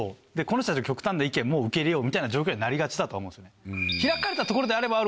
この人たちの極端な意見も受け入れようみたいな状況になりがちだとは思うんですよね。